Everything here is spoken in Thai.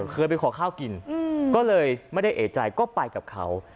เคยไปขอข้าวกินก็เลยไม่ได้เอกใจก็ไปกับเขา